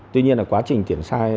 tuy nhiên là quá trình tiển sát